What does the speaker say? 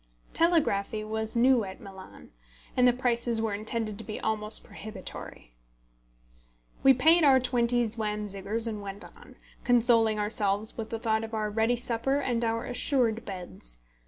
Telegraphy was new at Milan, and the prices were intended to be almost prohibitory. We paid our twenty zwanzigers and went on, consoling ourselves with the thought of our ready supper and our assured beds.